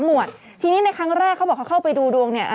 หวดทีนี้ในครั้งแรกเขาบอกเขาเข้าไปดูดวงเนี่ย